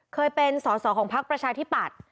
เคยเป็นสอสอของพักประชาธิปัตย์